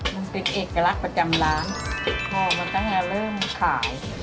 มันเป็นเอกลักษณ์ประจำล้างพอมันก็จะให้เริ่มขาย